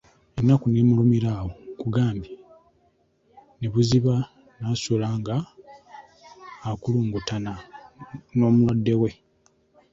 Ennaku ne mulumira awo nkugambye ne buziba n’asula nga akulungutana n’omulwadde we.